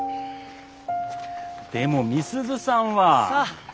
でも美鈴さんは。さあ！